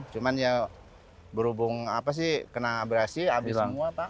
cuma ya berhubung kena abrasi habis semua pak